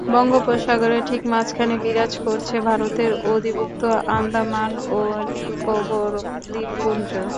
বঙ্গোপসাগরের ঠিক মাঝখানে বিরাজ করছে ভারতের অধিভুক্ত আন্দামান ও নিকোবর দ্বীপপুঞ্জ।